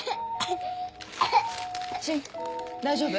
芯大丈夫？